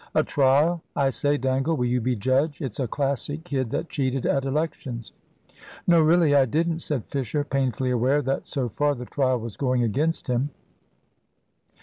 "A trial. I say, Dangle, will you be judge? It's a Classic kid that cheated at Elections." "No, really, I didn't," said Fisher, painfully aware that so far, the trial was going against him.